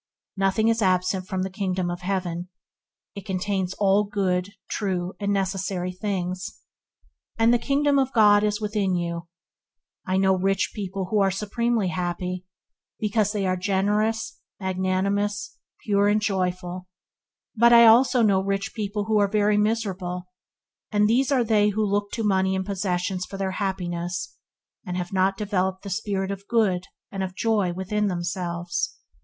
Nothing is absent from the Kingdom of heaven; it contains all good, true, and necessary things, and "the Kingdom of God is within you." I know rich people who are supremely happy, because they are generous, magnanimous, pure and joyful; but I also know rich people who are very miserable, and these are they who looked to money and possessions for their happiness, and have not developed the spirit of good and of joy within themselves.